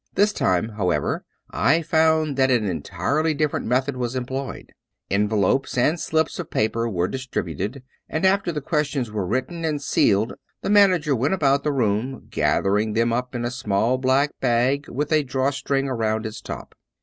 This time, however, I found that an entirely different method was employed. Envelopes and slips of paper were dis tributed ; and after the questions were written and sealed the manager went about the room, gathering them up in a small black bag with a drawstring around its top.